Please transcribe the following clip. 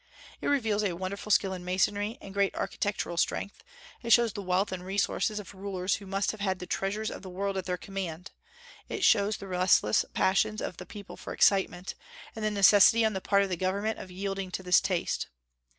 It reveals a wonderful skill in masonry and great architectural strength; it shows the wealth and resources of rulers who must have had the treasures of the world at their command; it shows the restless passions of the people for excitement, and the necessity on the part of government of yielding to this taste.